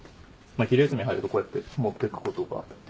昼休み入るとこうやって持って行くことが。